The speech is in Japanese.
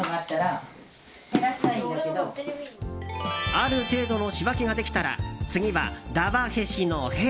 ある程度の仕分けができたら次は「だ・わ・へ・し」の「へ」。